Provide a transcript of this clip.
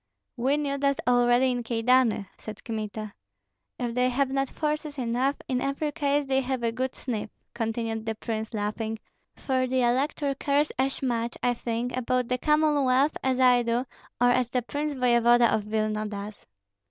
"We knew that already in Kyedani," said Kmita. "If they have not forces enough, in every case they have a good sniff," continued the prince, laughing; "for the elector cares as much, I think, about the Commonwealth as I do, or as the prince voevoda of Vilna does."